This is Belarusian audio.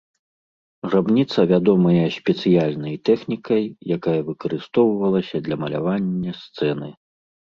Грабніца вядомая спецыяльнай тэхнікай, якая выкарыстоўвалася для малявання сцэны.